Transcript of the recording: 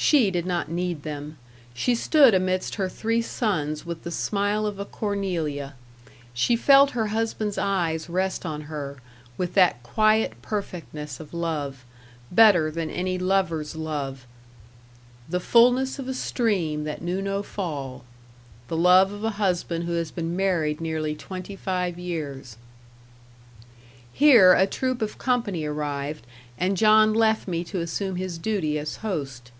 She did not need them. She stood amidst her three sons with the smile of a Cornelia. She felt her husband's eyes rest on her, with that quiet perfectness of love better than any lover's love "The fulness of a stream that knew no fall" the love of a husband who has been married nearly twenty five years. Here a troop of company arrived, and John left me to assume his duty as host.